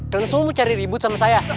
terus lo mau cari ribut sama saya